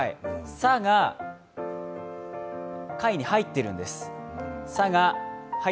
サが貝に入ってるんです。